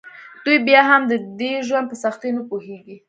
دوی بیا هم د دې ژوند په سختیو نه پوهیږي